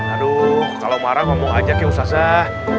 aduh kalau marah ngomong aja ke ustaz zanuyuy